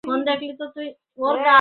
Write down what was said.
সরো আমার ওপর থেকে, সরো!